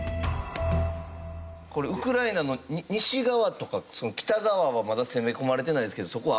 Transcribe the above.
これウクライナの西側とか北側はまだ攻め込まれてないですけどそこは安全なんですか？